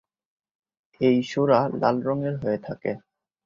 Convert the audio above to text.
এই সুরা লাল রঙের হয়ে থাকে।